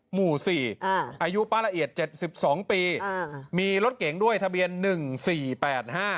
หมู่สี่อ่าอายุป้าละเอียดเจ็ดสิบสองปีอ่ามีรถเก๋งด้วยทะเบียนหนึ่งสี่แปดห้า